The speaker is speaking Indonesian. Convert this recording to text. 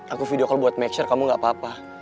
aku video call buat make sure kamu gakpapa